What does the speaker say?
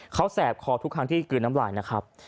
เขาแสบคอทุกครั้งที่กลืนน้ำลายนะครับ